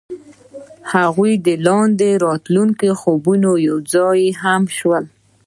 هغوی د خوب لاندې د راتلونکي خوبونه یوځای هم وویشل.